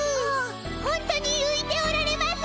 ほ本当にういておられますが。